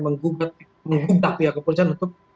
mengungkap pihak kepolisian untuk